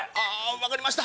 分かりました。